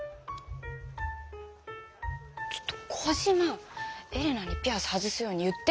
ちょっとコジマエレナにピアス外すように言って！